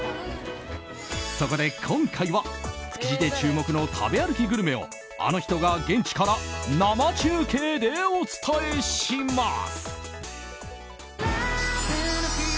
そこで今回は築地で注目の食べ歩きグルメをあの人が現地から生中継でお伝えします。